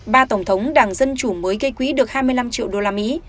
ba tổng thống đảng dân chủ mới gây quỹ được hai mươi năm triệu đô la mỹ